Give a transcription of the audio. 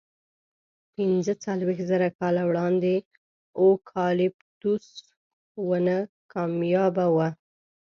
پینځهڅلوېښت زره کاله وړاندې اوکالیپتوس ونه کمیابه وه.